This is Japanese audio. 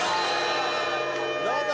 どうぞ。